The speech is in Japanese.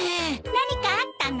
何かあったの？